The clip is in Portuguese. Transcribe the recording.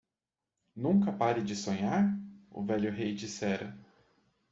"Nunca pare de sonhar?" o velho rei dissera.